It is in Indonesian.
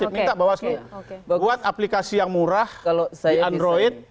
minta bawaslu buat aplikasi yang murah di android